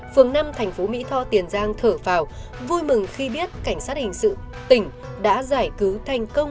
phường năm thành phố mỹ tho tiền giang thở vào vui mừng khi biết cảnh sát hình sự tỉnh đã giải cứu thành công